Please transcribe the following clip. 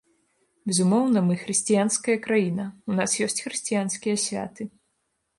Безумоўна, мы хрысціянская краіна, у нас ёсць хрысціянскія святы.